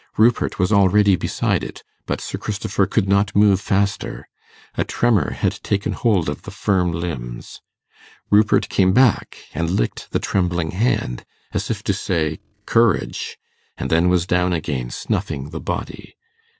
Rupert was already beside it, but Sir Christopher could not move faster. A tremor had taken hold of the firm limbs. Rupert came back and licked the trembling hand, as if to say 'Courage!' and then was down again snuffing the body.